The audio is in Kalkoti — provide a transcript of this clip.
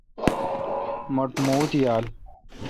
مٹھ موُت یال۔